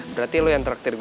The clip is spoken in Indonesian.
berarti lo yang terlalu banyak